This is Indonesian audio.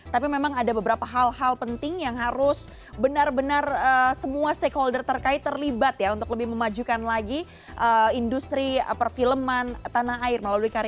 tapi memang ada beberapa hal hal penting yang harus benar benar semua stakeholder terkait terlibat ya untuk lebih memajukan lagi industri perfilman tanah air melalui karya